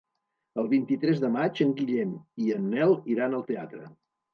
El vint-i-tres de maig en Guillem i en Nel iran al teatre.